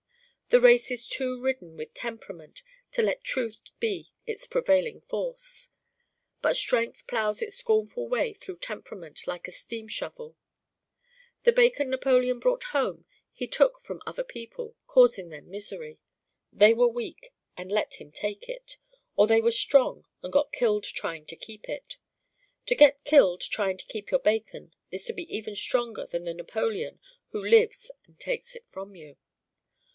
The race is too ridden with 'temperament' to let truth be its prevailing force. But strength plows its scornful way through temperament like a steam shovel. The bacon Napoleon brought home he took from other people, causing them misery. They were Weak and let him take it, or they were strong and got killed trying to keep it. To get killed trying to keep your bacon is to be even stronger than the Napoleon who lives and takes it from you.